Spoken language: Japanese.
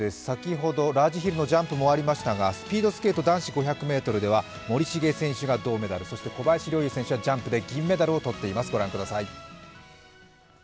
先ほどラージヒルのジャンプも終わりましたがスピードスケート男子５００ｍでは森重選手が銅メダルそして小林陵侑選手はジャンプで銀メダルを取っています。